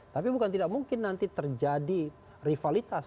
tapi bukan tidak mungkin nanti terjadi rivalitas